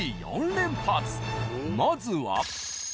［まずは］